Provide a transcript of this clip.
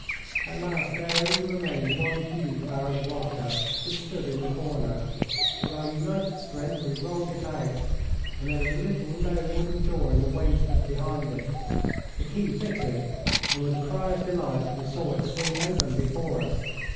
At last there only remained one huge barrel of vodka, which stood in the corner. With our united strength we rolled it out, and there was a little low wooden door in the wainscot behind it. The key fitted, and with a cry of delight we saw it swing open before us.